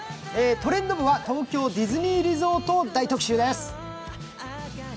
「トレンド部」は東京ディズニーリゾートを大特集です。